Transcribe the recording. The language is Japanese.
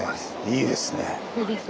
いいですね。